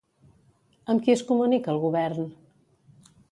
Amb qui es comunica el govern?